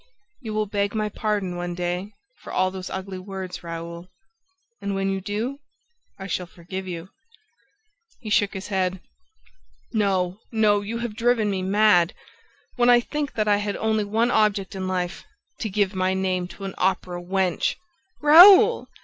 "You will beg my pardon, one day, for all those ugly words, Raoul, and when you do I shall forgive you!" He shook his head. "No, no, you have driven me mad! When I think that I had only one object in life: to give my name to an opera wench!" "Raoul!